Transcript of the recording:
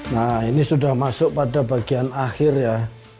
nah ini sudah masuk pada bagian akhir ya